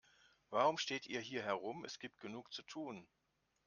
Warum steht ihr hier herum, es gibt genug zu tun.